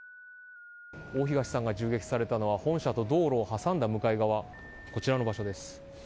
大東さんが銃撃されたのは本社と道路を挟んだ向かい側、こちらの場所です。